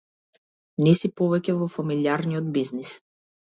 Не си повеќе во фамилијарниот бизнис.